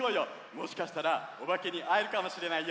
もしかしたらおばけにあえるかもしれないよ！